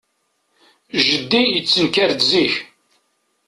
Jeddi yettenkar-d zik.